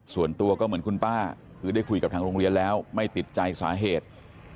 ส่วนตัวก็เหมือนคุณป้าคือได้คุยกับทางโรงเรียนแล้วไม่ติดใจสาเหตุ